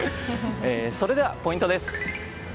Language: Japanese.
それではポイントです。